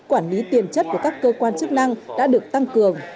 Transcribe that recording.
quản lý tiền chất của các cơ quan chức năng đã được tăng cường